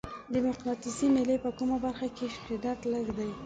د مقناطیسي میلې په کومه برخه کې شدت لږ دی؟